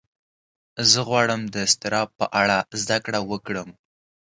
زه غواړم د اضطراب په اړه زده کړه وکړم.